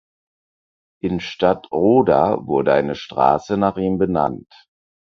In Stadtroda wurde eine Straße nach ihm benannt.